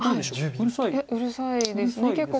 うるさいですね。